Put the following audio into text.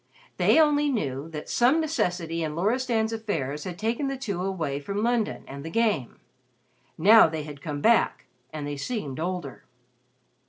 They only knew that some necessity in Loristan's affairs had taken the two away from London and the Game. Now they had come back, and they seemed older.